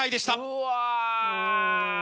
うわ！